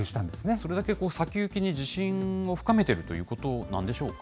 それだけ先行きに自信を深めているということなんでしょうか。